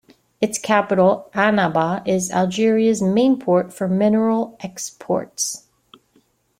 Its capital, Annaba is Algeria's main port for mineral exports.